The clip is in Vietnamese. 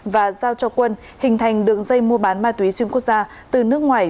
và giao cho quân hình thành đường dây mua bán ma túy xuyên quốc gia từ nước ngoài